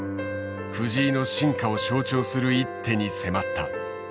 藤井の進化を象徴する一手に迫った。